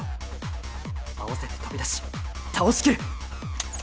合わせて飛び出し倒しきる！